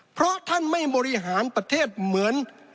เพราะท่านไม่บริหารประเทศเหมือน